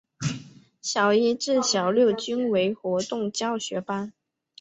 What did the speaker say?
小一至小六均为活动教学班。